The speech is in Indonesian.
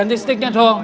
ganti sticknya dong